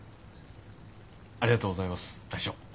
ありがとうございます大将。